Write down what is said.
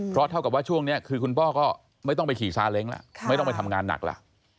เพราะเท่ากับว่าช่วงนี้คือคุณพ่อก็ไม่ต้องไปขี่ซาเล้งแล้วไม่ต้องไปทำงานหนักแล้ว